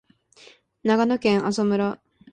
長野県阿智村